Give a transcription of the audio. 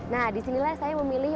nah disinilah saya memperkenalkan